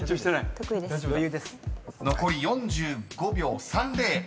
［残り４５秒３０］